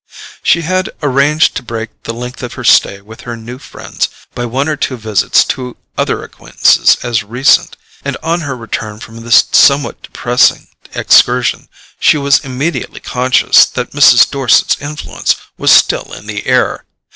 She had arranged to break the length of her stay with her new friends by one or two visits to other acquaintances as recent; and on her return from this somewhat depressing excursion she was immediately conscious that Mrs. Dorset's influence was still in the air.